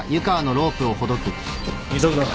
急ぐぞ。